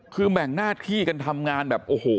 คือแบ่งหน้าที่กันทำงานแบบโอ้โห